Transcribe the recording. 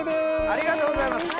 ありがとうございます。